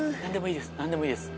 何でもいいです